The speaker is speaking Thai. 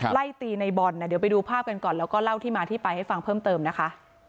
ไล่ตีในบอลเดี๋ยวไปดูภาพกันก่อนแล้วก็เล่าที่มาที่ไปให้ฟังเพิ่มเติมนะคะ